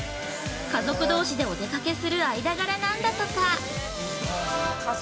家族どうしでお出かけする間柄なんだとか。